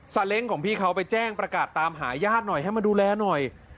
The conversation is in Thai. เล้งของพี่เขาไปแจ้งประกาศตามหาญาติหน่อยให้มาดูแลหน่อย